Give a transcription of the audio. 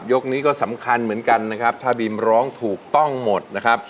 ยกนี้ก็สำคัญเหมือนกันนะครับถ้าบีมร้องถูกต้องหมดนะครับ